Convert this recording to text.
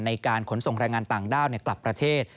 ในการขนส่งแรงงานต่างด้าวกลับประเทศ